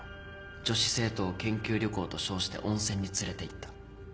女子生徒を研究旅行と称して温泉に連れていった。